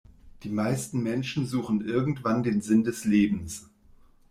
Die meisten Menschen suchen irgendwann den Sinn des Lebens.